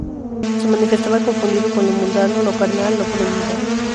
Se manifestaba confundido con lo mundano, lo carnal, lo prohibido.